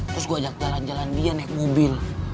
terus gue ajak jalan jalan dia naik mobil